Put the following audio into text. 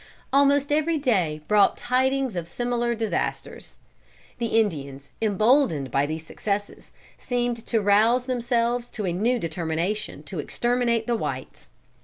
Almost every day brought tidings of similar disasters. The Indians, emboldened by these successes, seemed to rouse themselves to a new determination to exterminate the whites.